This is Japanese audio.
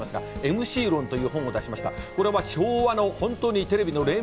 『ＭＣ論』という本を出しました。